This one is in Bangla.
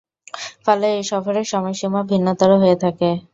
ফলে, এ সফরের সময়সীমা ভিন্নতর হয়ে থাকে।